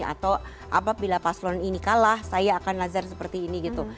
atau apabila paslon ini kalah saya akan nazar seperti ini gitu